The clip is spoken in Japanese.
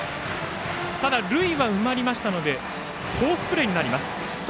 ただ、塁は埋まりましたのでフォースプレーになります。